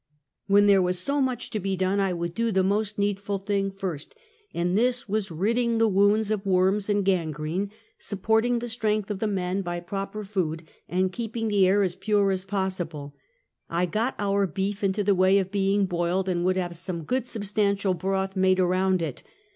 When there was so much to be done, I would do the most needful thing first, and this was ridding the wounds of worms and gangrene, supporting the strength of the men by proper food, and keeping the air as pure as possible. I got our beef into the way of being boiled, and would have some good substantial broth made around it.